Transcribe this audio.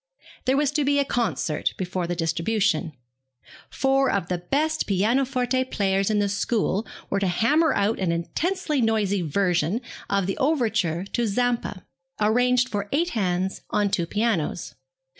There was to be a concert before the distribution. Four of the best pianoforte players in the school were to hammer out an intensely noisy version of the overture to Zampa, arranged for eight hands on two pianos.